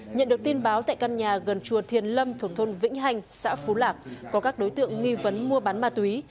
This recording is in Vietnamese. nhận được tin báo tại căn nhà gần chùa thiền lâm thuộc thôn vĩnh hành xã phú lạc có các đối tượng nghi vấn mua bán ma túy